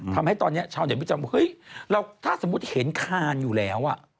ทำให้ตอนนี้ชาวเน็ตประจำเฮ้ยเราถ้าสมมุติเห็นคานอยู่แล้ว